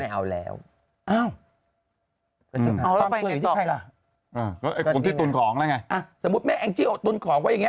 ไม่เอาแล้วเอ้าต้องตุนอยู่ที่ใครล่ะคนที่ตุนของแล้วไงสมมุติแม่แองเจ้าตุนของไว้อย่างเนี้ย